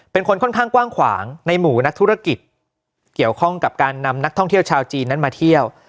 เป็นคนค่อนข้างกว้างขวางในหมู่นักธุรกิจเกี่ยวข้องกับการนำนักท่องเที่ยวชาวจีนนั้นมาเที่ยว